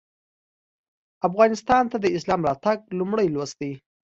افغانستان ته د اسلام راتګ لومړی لوست دی.